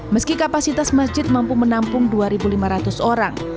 meski kapasitas masjid mampu menampung dua lima ratus orang